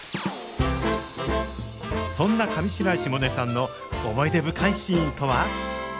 そんな上白石萌音さんの思い出深いシーンとは？